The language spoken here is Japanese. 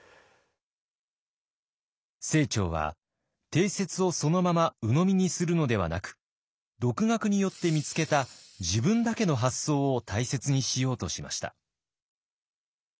清張は定説をそのままうのみにするのではなく独学によって見つけた自分だけの発想を大切にしようとしました。